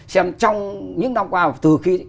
xem trong những năm qua từ khi